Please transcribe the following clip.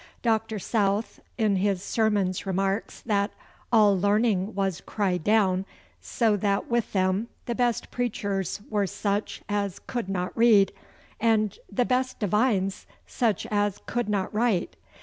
Dr. South in his sermons remarks that 'All learning was cried down, so that with them the best preachers were such as could not read, and the best divines such as could not write.